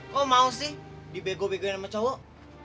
kok mau sih dibego begoin sama cowok